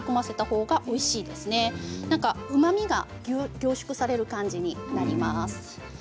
うまみが凝縮される感じになります。